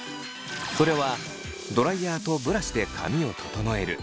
それはドライヤーとブラシで髪を整えるブロー。